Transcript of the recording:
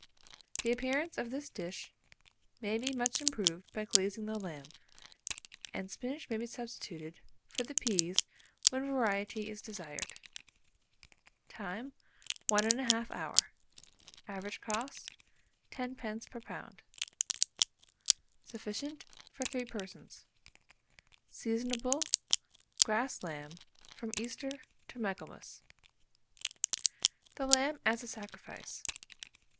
The appearance of this dish may be much improved by glazing the lamb, and spinach may be substituted for the peas when variety is desired. Time. 1 1/2 hour. Average cost, 10d. per lb. Sufficient for 3 persons. Seasonable, grass lamb, from Easter to Michaelmas. THE LAMB AS A SACRIFICE.